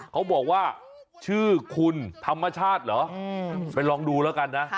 เขาบอกว่าชื่อคุณธรรมชาติเหรอไปลองดูแล้วกันนะ